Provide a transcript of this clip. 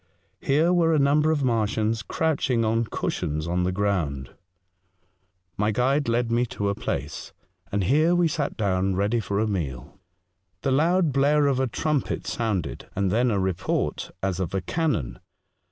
Here were a number of Martians crouching on cushions on the ground. 160 A Voyage to Other Worlds, My guide led me to a place, and here we sat down ready for a meal. The loud blare of a trumpet sounded, and then a report as of a cannon.